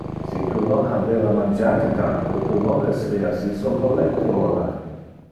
Si tu non habeva mangiate tanto, tu non esserea si somnolente ora.